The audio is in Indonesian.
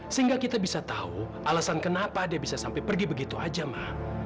sehingga kita bisa tahu alasan kenapa dia bisa sampai pergi begitu aja ma